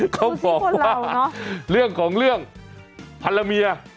เขาบอกว่าเรื่องของเรื่องภรรเมีย